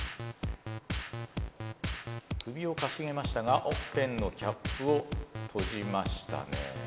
首をかしげましたがペンのキャップを閉じましたね。